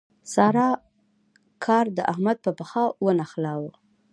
سارا کار د احمد په پښه ونښلاوو.